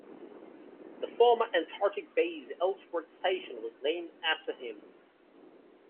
The former Antarctic base Ellsworth Station was named after him.